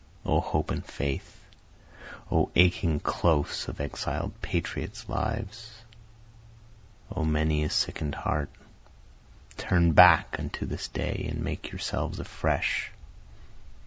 O hope and faith! O aching close of exiled patriots' lives! O many a sicken'd heart! Turn back unto this day and make yourselves afresh.